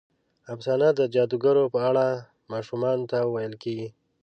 افسانه د جادوګرو په اړه ماشومانو ته ویل کېږي.